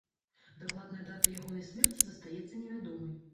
Дакладная дата ягонай смерці застаецца невядомай.